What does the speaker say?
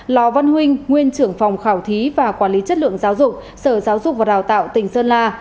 lò văn huynh nguyên trưởng phòng khảo thí và quản lý chất lượng giáo dục sở giáo dục và đào tạo tỉnh sơn la